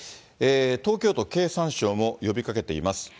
東京都、経産省も呼びかけています。